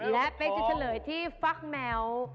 และเป็นแผ่นตัวเฉลยที่ฟักแมว